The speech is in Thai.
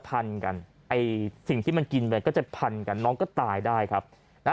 พันกันไอ้สิ่งที่มันกินไปก็จะพันกันน้องก็ตายได้ครับนะ